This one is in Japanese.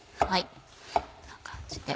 こんな感じで。